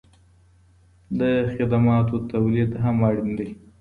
د خدماتو تولید هم اړین دی.